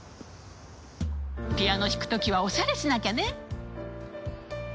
ピアノ弾く時はおしゃれしなきゃね。